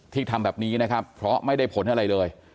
ทำแบบนี้นะครับเพราะไม่ได้ผลอะไรเลย